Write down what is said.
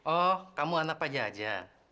oh kamu anak pak jaja